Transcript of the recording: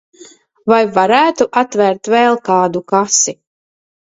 Vai varētu atvērt vēl kādu kasi?